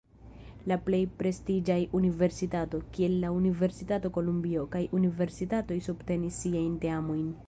La plej prestiĝaj universitato, kiel la Universitato Kolumbio, kaj universitatoj subtenis siajn teamojn.